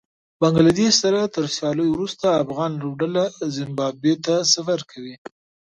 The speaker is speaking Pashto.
بنګله دېش سره تر سياليو وروسته افغان لوبډله زېمبابوې ته سفر کوي